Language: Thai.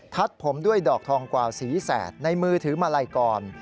ผมด้วยดอกทองกว่าสีแสดในมือถือมาลัยกร